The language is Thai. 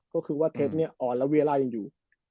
ก็คือเทปนี้ออนแล้วยีแอร่ายังอยู่